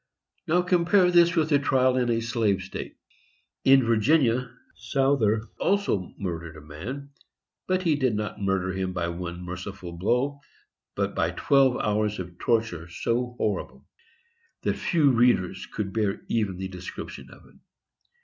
Now, compare this with a trial in a slave state. In Virginia, Souther also murdered a man; but he did not murder him by one merciful blow, but by twelve hours of torture so horrible that few readers could bear even the description of it.